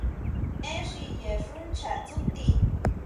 Én xiye xu ncha tsúti.